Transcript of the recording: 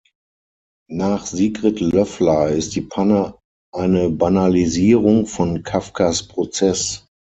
Nach Sigrid Löffler ist die Panne eine Banalisierung von Kafkas Prozess.